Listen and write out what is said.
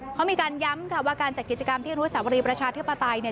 เขามีการย้ำค่ะว่าการจัดกิจกรรมที่อนุสาวรีประชาธิปไตยเนี่ย